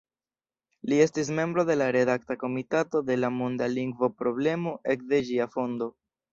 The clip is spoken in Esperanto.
Li estis membro de la redakta komitato de La Monda Lingvo-Problemo ekde ĝia fondo.